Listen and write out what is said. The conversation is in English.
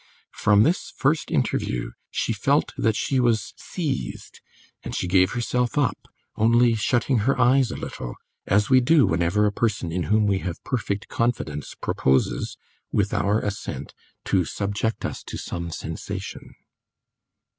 From this first interview she felt that she was seized, and she gave herself up, only shutting her eyes a little, as we do whenever a person in whom we have perfect confidence proposes, with our assent, to subject us to some sensation.